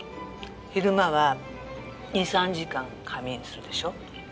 昼間は２３時間仮眠するでしょ。